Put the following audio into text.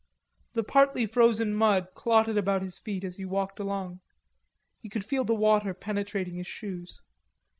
The partly frozen mud clotted about his feet as he walked along; he could feel the water penetrating his shoes.